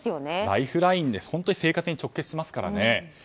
ライフラインですから本当に生活に直結しますからね。